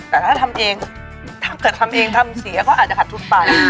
แต่ถ้าทำเองถ้าเกิดทำเองทำเสียก็อาจจะขัดทุนไป